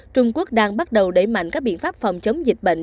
trung quốc đang bắt đầu đẩy mạnh các biện pháp phòng chống dịch bệnh